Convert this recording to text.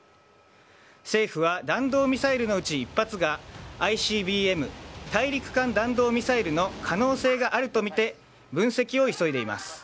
政府は弾道ミサイルのうち１発がＩＣＢＭ・大陸間弾道ミサイルの可能性があるとみて分析を急いでいます。